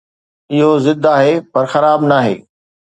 اهو ضد آهي، پر خراب ناهي